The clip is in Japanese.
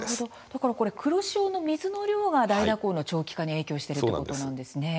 だから、これ黒潮の水の量が大蛇行の長期化に影響しているということなんですね。